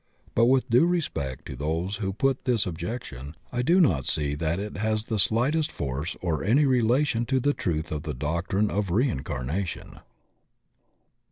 But with due respect to tihose who put this objection, I do not see diat it has the slightest force or any relation to the truth of the doctrine of rein carnation.